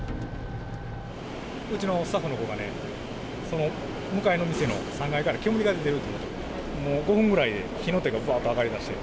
うちのスタッフの子がね、その向かいの店の３階から煙が出てるっていうことで、もう５分ぐらいで、火の手がぶわっと上がりだして。